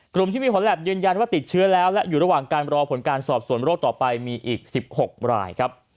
กลุ่มที่มีผลแล็บยืนยันว่าติดเชื้อแล้วและอยู่ระหว่างการรอผลการสอบสวนโรคต่อไปมีอีก๑๖รายครับ